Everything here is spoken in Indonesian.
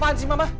apaan sih mama